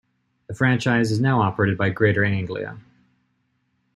The franchise is now operated by Greater Anglia.